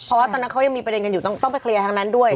เพราะว่าตอนนั้นเขายังมีประเด็นกันอยู่ต้องไปเคลียร์ทางนั้นด้วย